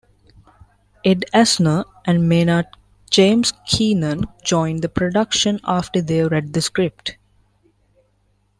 Ed Asner and Maynard James Keenan joined the production after they read the script.